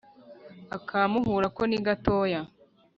aka muhura ko ni gatoya.